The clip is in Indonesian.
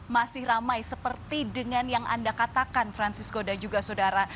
masih ramai seperti dengan yang anda katakan francisco dan juga saudara